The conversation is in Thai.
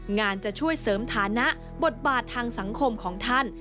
จะช่วยเสริมฐานะบทบาททางสังคมของท่าน